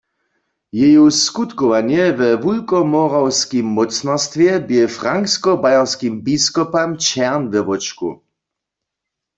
Jeju skutkowanje we Wulkomorawskim mócnarstwje bě franksko-bayerskim biskopam ćerń we wóčku.